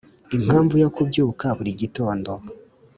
impamvu yo kubyuka buri gitondo.